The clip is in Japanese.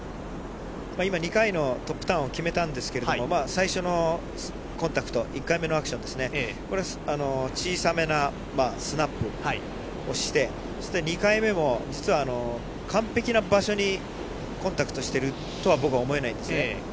今２回のトップターンを決めたんですけれども、最初のコンタクト、１回目のアクションですね、これ、小さめなスナップをして、２回目も実は完璧な場所にコンタクトしてるとは、僕は思えないんですね。